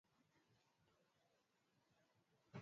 Tanzania kuna mikoa kadhaa inayolima vizi lishe